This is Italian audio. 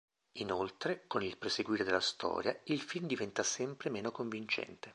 Inoltre, con il proseguire della storia, il film diventa sempre meno convincente".